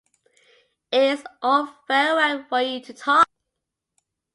It is all very well for you to talk.